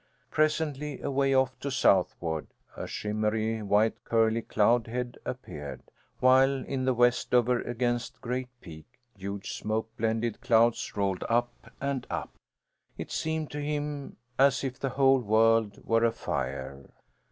Presently, away off to southward, a shimmery white curly cloud head appeared, while in the west, over against Great Peak, huge smoke blended clouds rolled up and up. It seemed to him as if the whole world were afire.